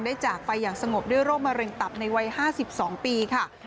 จากไปอย่างสงบด้วยโรคมะเร็งตับในวัย๕๒ปีค่ะ